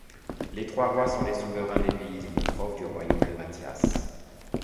Les Trois Rois sont les souverains des pays limitrophes du royaume de Mathias.